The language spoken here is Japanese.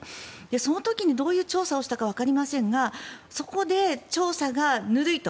その時にどういう調査をしたかわかりませんがそこで調査がぬるいと。